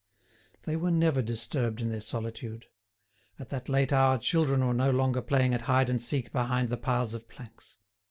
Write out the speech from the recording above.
They were never disturbed in their solitude. At that late hour children were no longer playing at hide and seek behind the piles of planks.